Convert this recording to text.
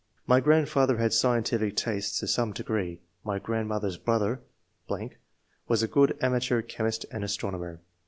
My grandfather had scientific tastes to some degree. My grandniother's brother .... was a good amateur chemist and astronomer.